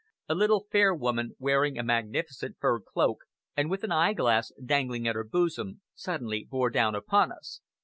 A little, fair woman, wearing a magnificent fur cloak, and with an eyeglass dangling at her bosom, suddenly bore down upon us.